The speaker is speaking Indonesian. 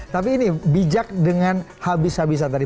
tapi ini bijak dengan habis habisan tadi